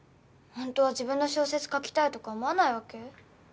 本当は自分の小説書きたいとか思わないわけ？